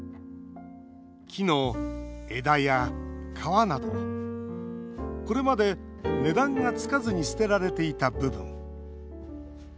木の枝や皮などこれまで値段がつかずに捨てられていた部分。